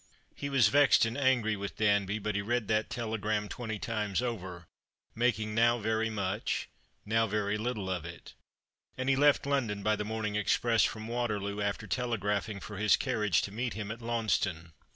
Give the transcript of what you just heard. He was vexed and angry with Danby ; but he read that telegram twenty times over, making now very much, now very little of it ; and he left London by the morning express from Waterloo, after telegraphing for his carriage to meet him at Launceston.